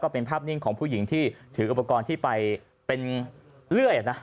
เป็นภาพนิ่งของผู้หญิงที่ถืออุปกรณ์ที่ไปเป็นเลื่อย